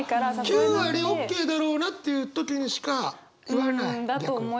９割ＯＫだろうなっていう時にしか言わない。